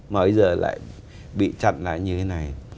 mà bây giờ lại bị chặt lại như thế này